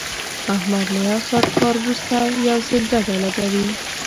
احمد له یو ساعت کار ورسته یو ځل ډډه لګوي.